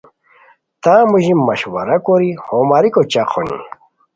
تان موژی مشورہ کوری ہو ماریکو چق ہونی